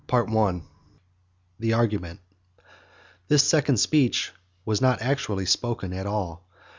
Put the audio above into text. THE ARGUMENT. This second speech was not actually spoken at all.